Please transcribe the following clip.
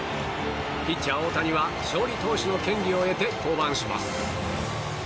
ピッチャー大谷は勝利投手の権利を得て降板します。